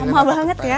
lama banget ya